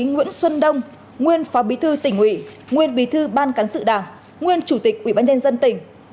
nguyễn xuân đông nguyên phó bí thư tình ủy nguyên bí thư ban cán sự đảng nguyên chủ tịch ubnd tỉnh